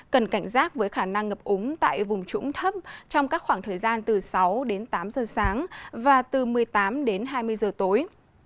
cần cảnh giác với khả năng ngập úng tại vùng trũng thấp trong các khoảng thời gian từ sáu đến tám giờ sáng và từ một mươi tám đến hai mươi giờ tối